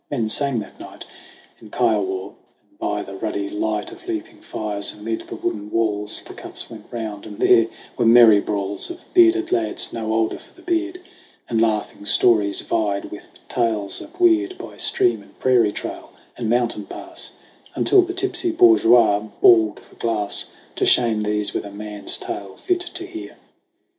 Men sang that night In Kiowa, and by the ruddy light Of leaping fires amid the wooden walls The cups went round; and there were merry brawls Of bearded lads no older for the beard ; And laughing stories vied with tales of weird By stream and prairie trail and mountain pass, Until the tipsy Bourgeois bawled for Glass To * shame these with a man's tale fit to hear.'